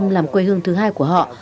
việt nam làm quê hương thứ hai của họ